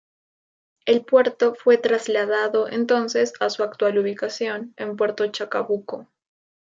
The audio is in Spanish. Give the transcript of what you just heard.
El puerto fue trasladado entonces a su actual ubicación en Puerto Chacabuco.